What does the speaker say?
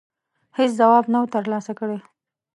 هېڅ جواب نه وو ترلاسه کړی.